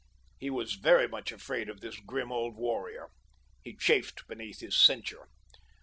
He was very much afraid of this grim old warrior. He chafed beneath his censure.